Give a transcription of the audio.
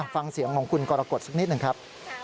ฟังเสียงของคุณกรกฎสักนิดหนึ่งครับ